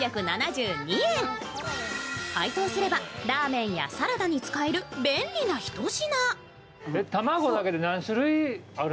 解凍すればラーメンやサラダに使える便利な一品。